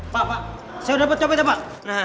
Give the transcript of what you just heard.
pak pak saya udah dapat copetnya pak